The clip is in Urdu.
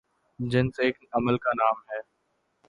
جنس ایک عمل کا نام ہے